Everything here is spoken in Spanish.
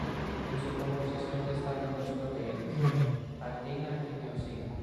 En su composición destacan dos proteínas: actina y miosina.